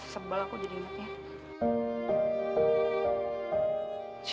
sebel aku jadi ngerti